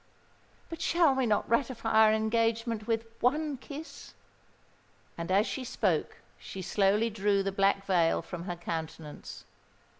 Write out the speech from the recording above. "But shall we not ratify our engagement with one kiss?" And as she spoke she slowly drew the black veil from her countenance.